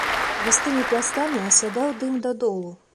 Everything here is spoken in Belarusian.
Густымі пластамі асядаў дым да долу.